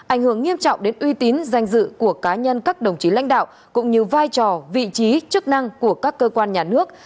ảnh hưởng nghiêm trọng đến uy tín danh dự của cá nhân các đồng chí lãnh đạo cũng như vai trò vị trí chức năng của các cơ quan nhà nước